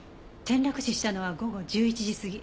転落死したのは午後１１時過ぎ。